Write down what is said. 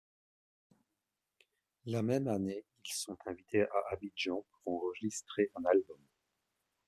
La même année, ils sont invités à Abidjan pour enregistrer un album.